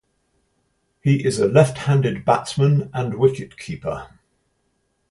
He is a left-handed batsman and wicket-keeper.